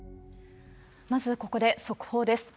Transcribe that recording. まずここで速報です。